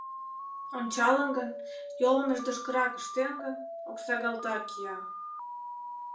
Ончалын гын, йолым ӧрдыжкырак ыштен гын, — оксагалта кия.